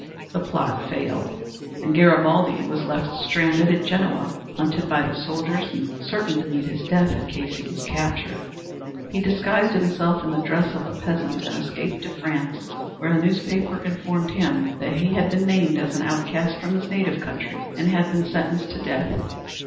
The plot failed and Garibaldi was left stranded at Genoa, hunted by the soldiers and certain to meet death in case he was captured. He disguised himself in the dress of a peasant and escaped to France, where a newspaper informed him that he had been named as an outcast from his native country, and had been sentenced to death.